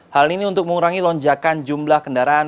hal ini untuk mengurangi lonjakan jumlah kendaraan